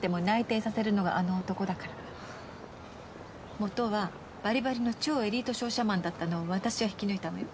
元はばりばりの超エリート商社マンだったのを私が引き抜いたのよ。